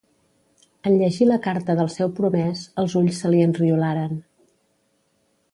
En llegir la carta del seu promès, els ulls se li enriolaren.